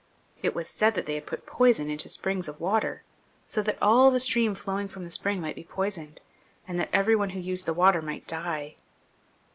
It was said that they put poison into springs of water, so that all the stream flowing from the • spring might be poisoned, and that every one who used the water might die.